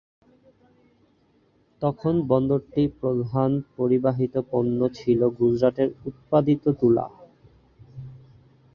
তখন বন্দরটির প্রধান পরিবাহিত পণ্য ছিল গুজরাটে উৎপাদিত তুলা।